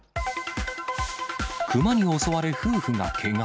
熊に襲われ夫婦がけが。